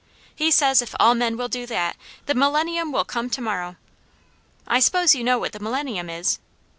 He says if all men will do that the millennium will come to morrow. I 'spose you know what the millennium is?"